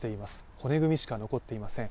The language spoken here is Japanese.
骨組みしか残っていません。